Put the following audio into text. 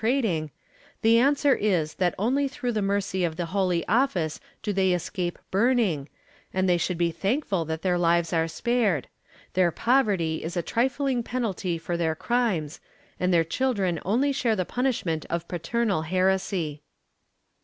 trading, the answer is that only through the mercy of the Holy Office do they escape burning, and they should be thankful that their lives are spared; their poverty is a trifling penalty for their crimes, and their children only share the punishment of paternal heresy.